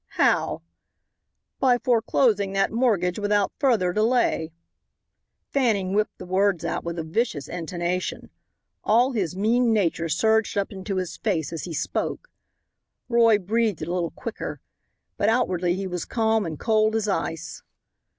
"How?" "By foreclosing that mortgage without further delay." Fanning whipped the words out with a vicious intonation. All his mean nature surged up into his face as he spoke. Roy breathed a little quicker. But outwardly he was calm and cold as ice.